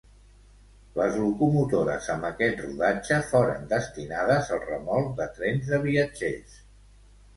Les locomotores amb aquest rodatge foren destinades al remolc de trens de viatgers.